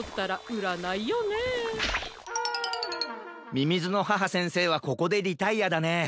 みみずのはは先生はここでリタイアだね。